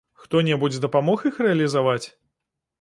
Хто-небудзь дапамог іх рэалізаваць?